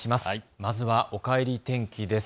まずは、おかえり天気です。